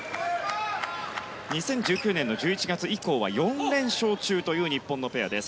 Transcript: ２０１９年の１１月以降は４連勝中という日本ペアです。